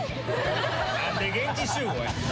何で現地集合や。